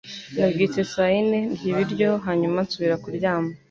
Nabyutse saa yine, ndya ibiryo, hanyuma nsubira kuryama.